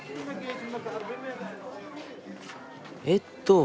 えっと